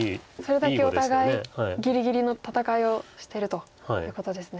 それだけお互いぎりぎりの戦いをしてるということですね。